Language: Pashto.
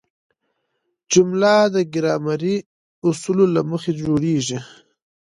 جمله د ګرامري اصولو له مخه جوړیږي.